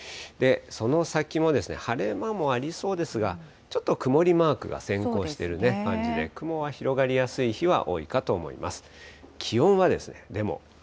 その先も晴れ間もありそうですが、ちょっと曇りマークが先行している感じで、雲は広がりやすい日が多いかと思います。